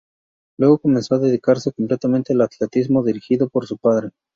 Luego comenzó a dedicarse completamente al atletismo, dirigido por su padre.